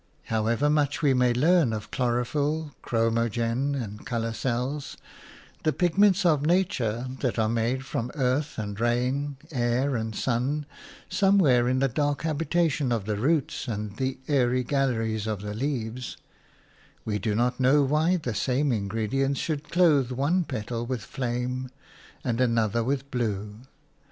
However much we may learn of chlorophyl, chromogen, and colour cells – the pigments of nature that are made from earth and rain, air and sun, somewhere in the dark habitation of the roots and the airy galleries of the leaves – we do not know why the same ingredients should clothe one petal with flame and another with blue.